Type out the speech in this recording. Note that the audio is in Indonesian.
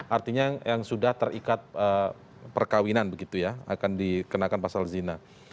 artinya yang sudah terikat perkawinan begitu ya akan dikenakan pasal zina